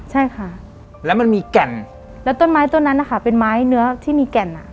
ใช่ค่ะแล้วมันมีแก่นแล้วต้นไม้ต้นนั้นนะคะเป็นไม้เนื้อที่มีแก่นอ่ะ